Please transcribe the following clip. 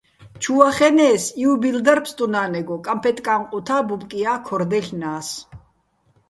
ჩუ ვახენე́ს, იუბილ დარ ბსტუნა́ნეგო, კამფეტკა́ჼ ყუთა́ ბუბკია́ ქორ დაჲლ'ნა́ს.